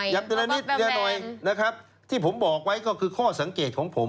เราก็รู้แบบนิดหน่อยเพราะว่าแบบแบมนะครับที่ผมบอกไว้ก็คือข้อสังเกตของผม